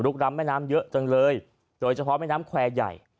ล้ำแม่น้ำเยอะจังเลยโดยเฉพาะแม่น้ำแควร์ใหญ่